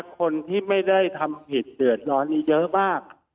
คนที่ไม่ได้ทำผิดเดือดร้อนนี้เยอะมาก